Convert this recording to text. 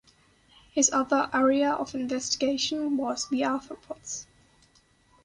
His other area of investigation was the arthropods.